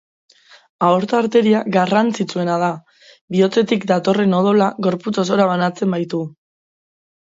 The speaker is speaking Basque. Aorta arteria garrantzitsuena da, bihotzetik datorren odola gorputz osora banatzen baitu.